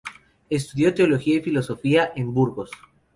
Estudió Teología y Filosofía en Burgos.